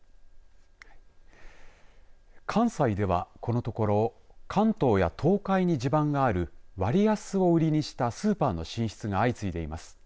関西ではこのところ関東や東海に地盤がある割安を売りにしたスーパーの進出が相次いでいます。